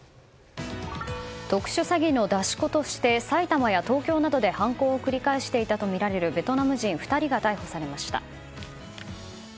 特殊詐欺の出し子として埼玉や東京などで犯行を繰り返していたとみられるベトナム人２人が逮捕されました。